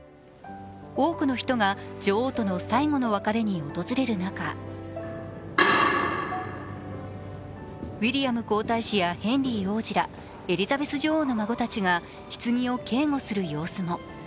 多くの人が女王との最後の別れに訪れる中ウィリアム皇太子やヘンリー王子ら、エリザベス女王の孫たちがひつぎを警護する様子も。